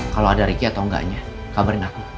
kalau ada ricky atau enggaknya kabarin aku